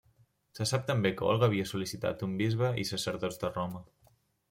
Se sap també que Olga havia sol·licitat un bisbe i sacerdots de Roma.